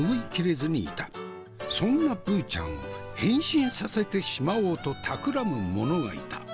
そんなブーちゃんを変身させてしまおうとたくらむ者がいた。